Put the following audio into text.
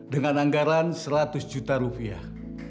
dengan anggaran seratus juta rupiah